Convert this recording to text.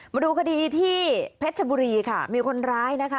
มาดูคดีที่เพชรชบุรีค่ะมีคนร้ายนะคะ